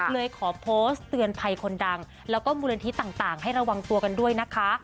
เลยขอโพสต์เตือนภัยคนดังแล้วก็มูลนิธิต่างให้ระวังตัวกันด้วยนะคะ